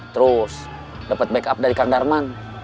terus dapat backup dari kang darman